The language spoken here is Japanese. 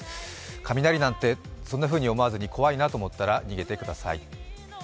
雷なんて、そんなふうに思わずに怖いなと思ったら逃げてください。